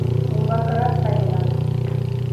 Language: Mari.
Умбакырак каена.